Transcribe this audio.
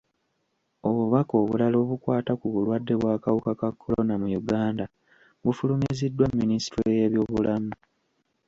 Obubaka obulala obukwata ku balwadde b'akawuka ka kolona mu Uganda bufulumiziddwa Minisitule y'ebyobulamu.